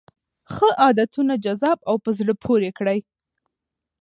ښه عادتونه جذاب او په زړه پورې کړئ.